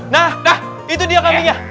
nah nah itu dia kambingnya